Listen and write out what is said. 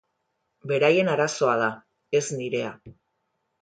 Beraien arazoa da, ez nirea.